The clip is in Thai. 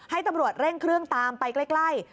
ให้ตำรวจเร่งเครื่องตามไปใกล้